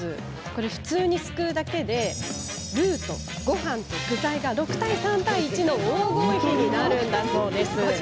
普通にすくうだけでルーとごはんと具材が６対３対１の黄金比になるそうなんです。